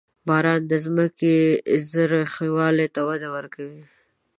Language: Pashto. • باران د ځمکې زرخېوالي ته وده ورکوي.